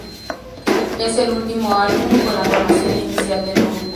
Es el último álbum con la formación inicial del grupo.